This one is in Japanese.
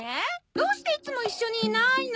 どうしていつも一緒にいないの？